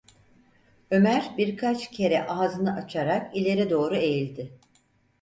Ömer birkaç kere ağzını açarak ileri doğru eğildi.